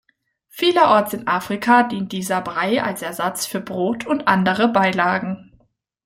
Vielerorts in Afrika dient dieser Brei als Ersatz für Brot und andere Beilagen.